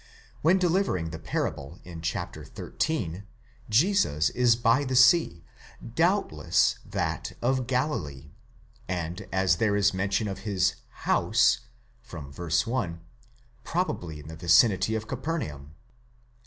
When delivering the parable in chap. xiii. Jesus is by the sea, doubtless that of Galilee, and, as there is mention of his house, οἰκία (vy. 1), probably in the vicinity of Capernaum.